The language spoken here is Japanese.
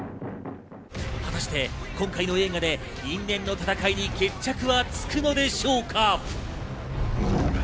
果たして今回の映画で人間の戦いに決着はつくのでしょうか？